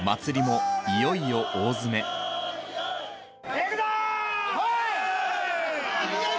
いくぞ。